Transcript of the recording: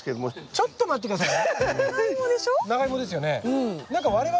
ちょっと待って下さい。